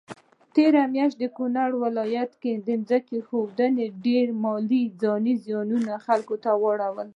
تيره مياشت د کونړ ولايت کي ځمکي ښویدني ډير مالي ځانی زيانونه خلکوته واړول